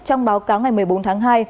trong báo cáo ngày một mươi bốn tháng hai